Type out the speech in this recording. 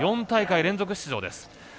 ４大会連続出場です。